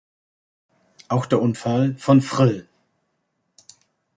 Auch der Unfall von Frl.